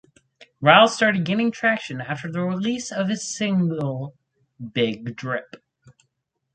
Ryles started gaining traction after the release of his single "Big Drip".